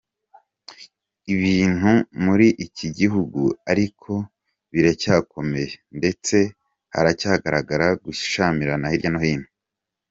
Ibintu muri iki gihugu ariko biracyakomeye ndetse haracyagaragara gushyamira hirya no hino.